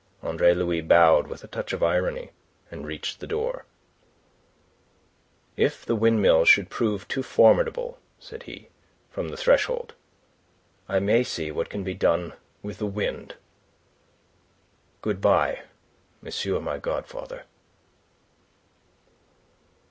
Andre Louis bowed with a touch of irony, and reached the door. "If the windmill should prove too formidable," said he, from the threshold, "I may see what can be done with the wind. Good bye, monsieur my godfather."